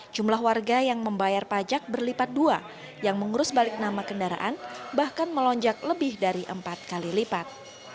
jumlah warga yang membayar pajak berlipat dua yang mengurus balik nama kendaraan bahkan melonjak lebih dari empat kali lipat